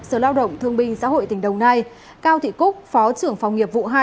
sở lao động thương binh xã hội tỉnh đồng nai cao thị cúc phó trưởng phòng nghiệp vụ hai